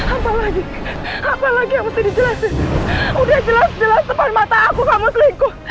apa lagi apa lagi yang mesti dijelasin udah jelas jelas depan mata aku kamu selingkuh